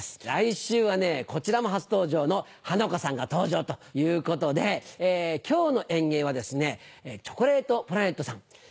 来週はね、こちらも初登場のハナコさんが登場ということで、きょうの演芸はですね、チョコレートプラネットさん。